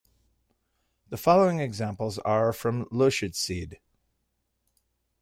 The following examples are from Lushootseed.